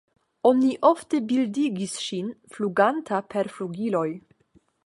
Oni ofte bildigis ŝin fluganta per flugiloj.